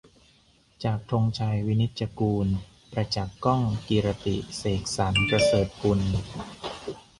จาก ธงชัย วินิจจะกูล ประจักษ์ ก้องกีรติ เสกสรรค์ ประเสริฐกุล